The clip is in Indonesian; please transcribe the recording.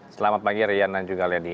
selamat pagi rian dan juga lady